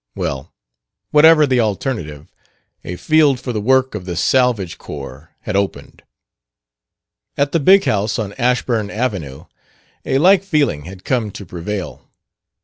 Well, whatever the alternative, a field for the work of the salvage corps had opened. At the big house on Ashburn Avenue a like feeling had come to prevail.